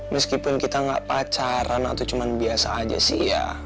meskipun kita nggak pacaran atau cuma biasa aja sih ya